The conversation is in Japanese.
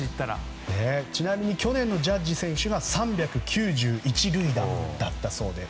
ちなみに去年のジャッジ選手は３９１塁打だったそうです。